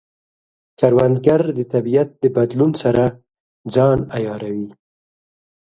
کروندګر د طبیعت د بدلون سره ځان عیاروي